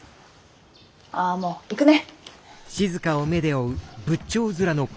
あもう行くね！